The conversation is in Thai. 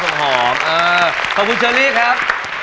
ส่งหอมพอขอบคุณเชอรี่ครับ